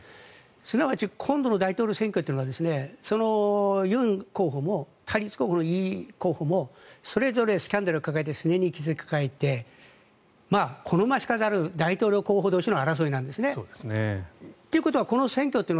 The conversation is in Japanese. すなわち今度の大統領選挙というのは尹候補も対立候補のイ候補もそれぞれスキャンダルを抱えてすねに傷を抱えて好ましからざる大統領候補同士の争いなんですね。